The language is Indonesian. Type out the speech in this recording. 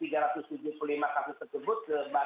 tiga ratus tujuh puluh lima kasus tersebut